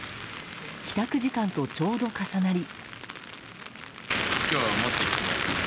帰宅時間とちょうど重なり。